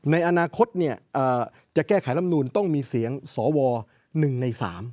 ในอนาคตจะแก้ไขลำนูนต้องมีเสียงสว๑ใน๓